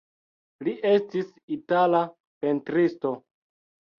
Li estis itala pentristo.